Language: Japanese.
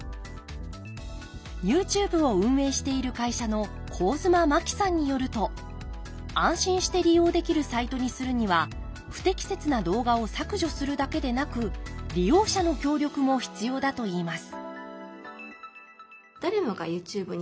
ＹｏｕＴｕｂｅを運営している会社の上妻真木さんによると安心して利用できるサイトにするには不適切な動画を削除するだけでなく利用者の協力も必要だといいます